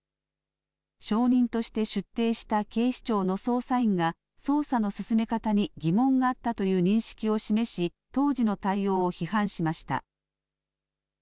証人として出廷した警視庁の捜査員が、捜査の進め方に疑問があったという認識を示し、当時の対応を批判しました。